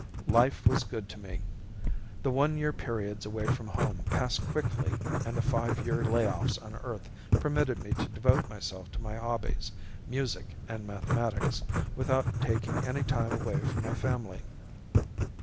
Life was good to me. The one year periods away from home passed quickly and the five year layoffs on Earth permitted me to devote myself to my hobbies, music and mathematics, without taking any time away from my family.